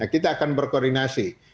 kita akan berkoordinasi